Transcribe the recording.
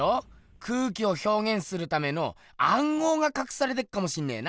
空気をひょうげんするためのあんごうがかくされてっかもしんねぇな。